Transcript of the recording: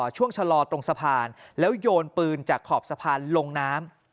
ชะลอตรงสะพานแล้วโยนปืนจากขอบสะพานลงน้ำ